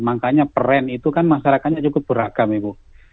makanya peran itu kan masyarakatnya cukup beragam ibu